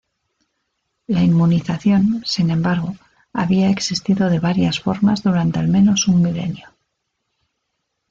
La inmunización, sin embargo, había existido de varias formas durante al menos un milenio.